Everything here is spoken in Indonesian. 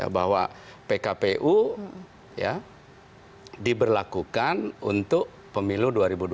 bahwa pkpu diberlakukan untuk pemilu dua ribu dua puluh